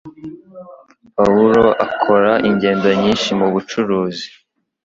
Pawulo akora ingendo nyinshi mubucuruzi